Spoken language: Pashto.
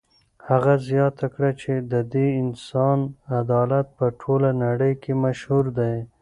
هغه زیاته کړه چې د دې انسان عدالت په ټوله نړۍ کې مشهور دی.